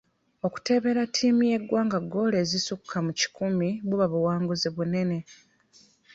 Okuteebera ttiimu y'eggwanga ggoolo ezisukka mu kikumi buba buwanguzi bunene.